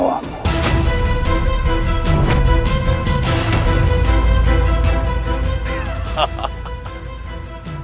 aku pangeran dapat ujung yang akan mencabut nyawa